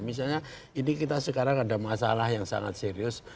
misalnya ini kita sekarang ada masalah yang sangat serius